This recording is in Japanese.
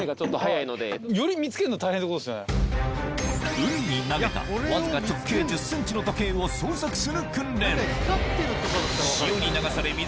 海に投げたわずか直径１０ｃｍの時計をあっ行った。